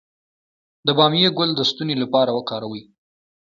د بامیې ګل د ستوني لپاره وکاروئ